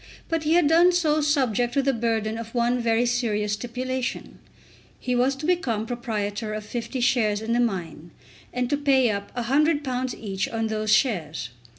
But he had done so subject to the burden of one very serious stipulation. He was to become proprietor of 50 shares in the mine, and to pay up £100 each on those shares.